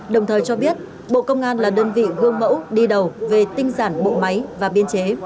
đồng thời cho biết bộ công an là đơn vị gương mẫu đi đầu về tinh giản bộ máy và biên chế